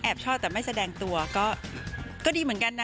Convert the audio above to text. ชอบแต่ไม่แสดงตัวก็ดีเหมือนกันนะ